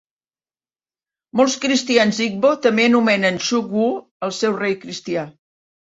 Molts cristians Igbo també anomenen Chukwu al seu rei cristià.